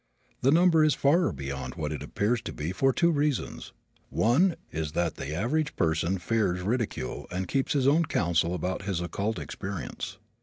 The number is far beyond what it appears to be for two reasons. One is that the average person fears ridicule and keeps his own counsel about his occult experience.